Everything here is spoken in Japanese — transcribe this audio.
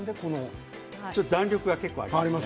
弾力が結構あります。